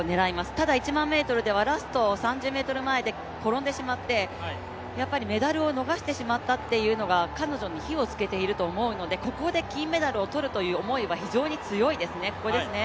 ただ１００００ｍではラスト３０ｍ手前で転んでしまって、メダルを逃したというのが彼女に火をつけていると思うので、ここで金メダルを取るという思いは非常に強いですね。